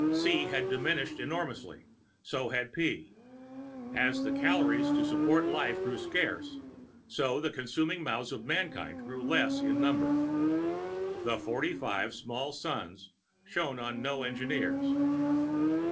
C had diminished enormously; so had P. As the calories to support life grew scarce, so the consuming mouths of mankind grew less in number. The forty fifth small Sun shone on no engineers.